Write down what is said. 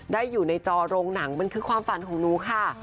ได้อยู่ในจอโรงหนังมันคือความฝันของหนูค่ะ